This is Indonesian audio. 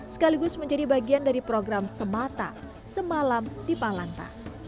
sekaligus menjadi bagian dari program semata semalam di palanta